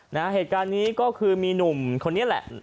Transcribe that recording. เหตุการณ์นี้ก็คือมีหนุ่มคนนี้แหละ